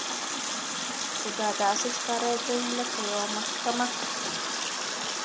خو دا داسې ښکارېدل لکه یوه محکمه.